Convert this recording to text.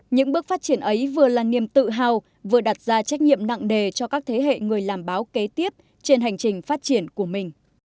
những bước phát triển ấy vừa là niềm tự hào vừa đặt ra trách nhiệm nặng nề cho các thế hệ người làm báo kế tiếp trên hành trình phát triển của mình